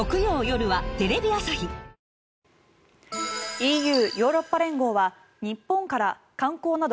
ＥＵ・ヨーロッパ連合は日本から観光など